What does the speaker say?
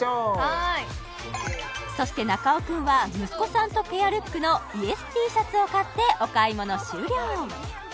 はいそして中尾君は息子さんとペアルックの「ＹＥＳ」Ｔシャツを買ってお買い物終了